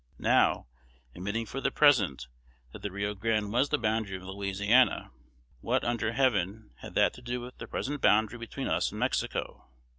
Now, admitting for the present, that the Rio Grande was the boundary of Louisiana, what, under Heaven, had that to do with the present boundary between us and Mexico?